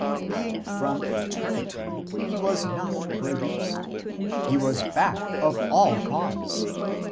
Being from eternity, he was not produced. He was back of all cause.